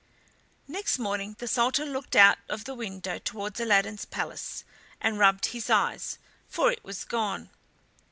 Next morning the Sultan looked out of the window towards Aladdin's palace and rubbed his eyes, for it was gone.